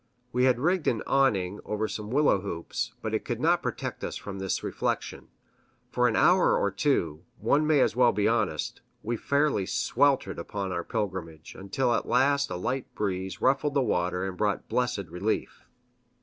We had rigged an awning over some willow hoops, but it could not protect us from this reflection. For an hour or two one may as well be honest we fairly sweltered upon our pilgrimage, until at last a light breeze ruffled the water and brought blessed relief.